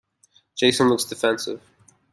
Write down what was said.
Jason looked defensive